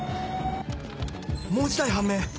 もう１台判明。